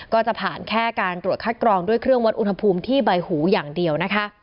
ก็จะผ่านแค่การตรวจคัดกรองด้วยเครื่องวัดอุณหภูมิที่ใบหูอย่างเดียวนะคะ